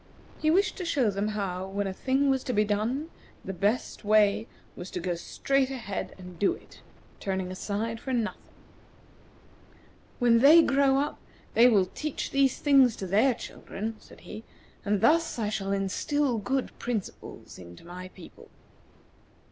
He wished to show them how, when a thing was to be done, the best way was to go straight ahead and do it, turning aside for nothing. "When they grow up they will teach these things to their children," said he; "and thus I shall instil good principles into my people."